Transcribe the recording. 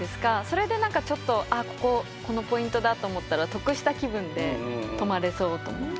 それであっこここのポイントだと思ったら得した気分で泊まれそうと思って。